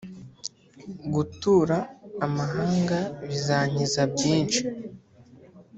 Gutura amahanga Bizankiza byinshi